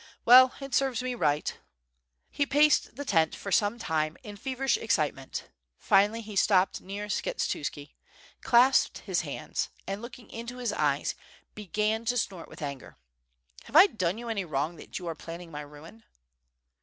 Well, it serves me right." He paced the tent for some time in feverish excitement, finally he stopped near Skshetuski, clasped his hands, and looking into his eyes, began to snort with anger: "Have I done you any wrong, that you are planning my ruin?"